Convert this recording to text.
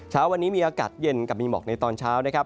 เช้าวันนี้มีอากาศเย็นกับมีหมอกในตอนเช้านะครับ